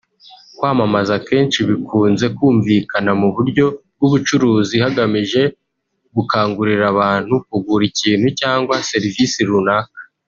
Kwamamaza akenshi bikunze kumvikana mu buryo bw’ubucuruzi hagamijwe gukangurira abantu kugura ikintu cyangwa serivisi runaka